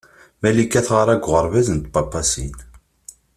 Malika teɣra deg uɣerbaz n Tpapasin.